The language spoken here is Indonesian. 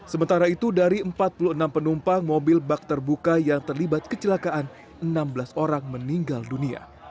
sementara itu dari empat puluh enam penumpang mobil bak terbuka yang terlibat kecelakaan enam belas orang meninggal dunia